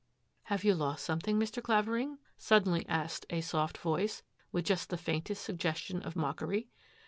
" Have you lost something, Mr. Claveri suddenly asked a soft voice, with just the fa suggestion of mockery.